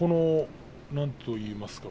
なんといいますか。